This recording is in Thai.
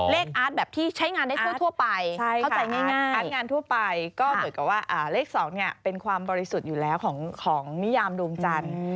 อาร์ตแบบที่ใช้งานได้ทั่วไปเข้าใจง่ายอาร์ตงานทั่วไปก็เหมือนกับว่าเลข๒เป็นความบริสุทธิ์อยู่แล้วของนิยามดวงจันทร์